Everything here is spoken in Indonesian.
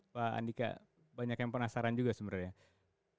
pak andika banyak yang penasaran juga sebenarnya